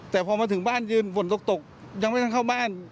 แต่พอมาถึงบ้านยืนฝนตกยังไม่ทันเข้าบ้าน